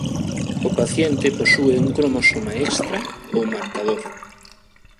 O paciente posúe un cromosoma "extra" ou "marcador".